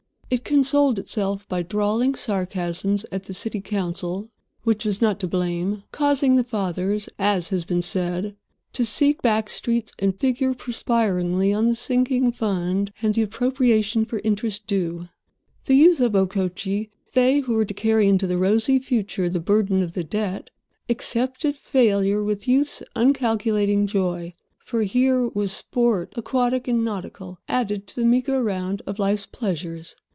It consoled itself by drawling sarcasms at the city council which was not to blame, causing the fathers, as has been said, to seek back streets and figure perspiringly on the sinking fund and the appropriation for interest due. The youth of Okochee—they who were to carry into the rosy future the burden of the debt—accepted failure with youth's uncalculating joy. For, here was sport, aquatic and nautical, added to the meagre round of life's pleasures.